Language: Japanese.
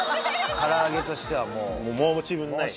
唐揚げとしては申し分ない。